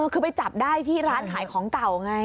คือไปจับได้ที่ร้านขายของเก่าไง